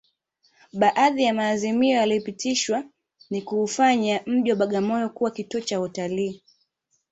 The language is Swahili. Baadhi ya maazimio yaliyopitishwa ni kuufanya mji wa Bagamoyo kuwa kituo cha watalii